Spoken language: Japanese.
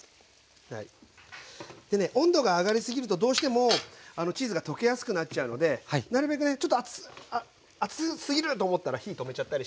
でね温度が上がり過ぎるとどうしてもチーズが溶けやすくなっちゃうのでなるべくね熱すぎると思ったら火止めちゃったり。